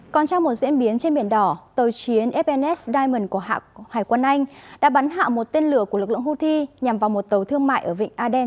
còn trong một diễn biến trên biển đỏ tàu chiến fns diamond của hải quân anh đã bắn hạ một tên lửa của lực lượng houthi nhằm vào một tàu thương mại ở vịnh aden